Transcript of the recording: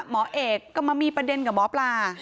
หมอเอกก็มามีประเด็นกับหมอปลา